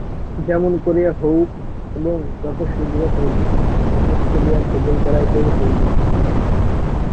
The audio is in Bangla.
যেমন করিয়া হউক এবং যত শীঘ্র হউক, রমেশকে দিয়া কবুল করাইতেই হইবে।